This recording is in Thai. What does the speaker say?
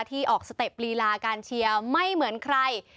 ที่ออกสเต็ปลีลาการเชียร์ไม่เหมือนใคร